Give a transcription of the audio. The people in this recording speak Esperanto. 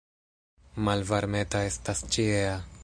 Malvarmeta estas ĉiea.